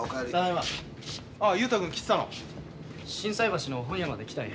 あ雄太君来てたの。